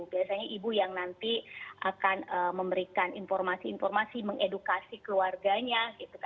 biasanya ibu yang nanti akan memberikan informasi informasi mengedukasi keluarganya